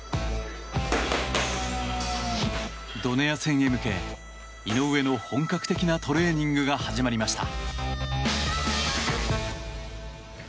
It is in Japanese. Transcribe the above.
ドネア戦へ向け井上の本格的なトレーニングが始まりました。